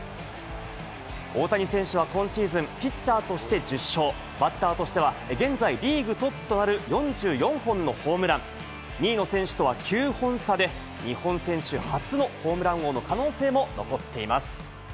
大谷選手は今シーズン、ピッチャーとして１０勝、バッターとしては現在リーグトップとなる４４本のホームラン、２位の選手とは９本差で日本選手初のホームラン王の可能性も残っています。